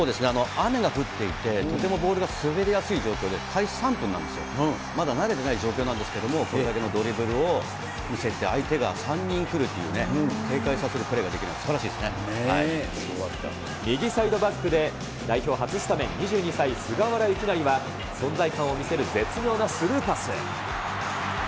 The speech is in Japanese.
雨が降っていて、とてもボールが滑りやすい状況で、開始３分なんですよ、まだ慣れてない状況なんですけれども、これだけのドリブルを見せて、相手が３人来るというね、警戒させるプレーができるのはすばらし右サイドバックで代表初スタメン、２２歳、菅原由勢は存在感を見せる絶妙なスルーパス。